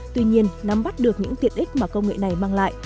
tuy nhiên nắm bắt được những tiện ích mà công nghệ này mang lại